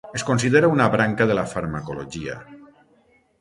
Es considera una branca de la farmacologia.